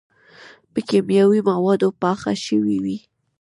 پۀ کيماوي موادو پاخۀ شوي وي